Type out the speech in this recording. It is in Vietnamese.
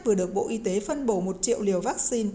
vừa được bộ y tế phân bổ một triệu liều vaccine